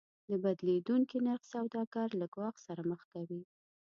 د بدلیدونکي نرخ سوداګر له ګواښ سره مخ کوي.